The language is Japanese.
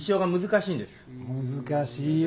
難しいよ。